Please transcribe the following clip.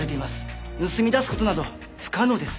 盗み出す事など不可能です。